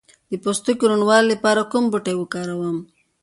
د پوستکي روڼوالي لپاره کوم بوټی وکاروم؟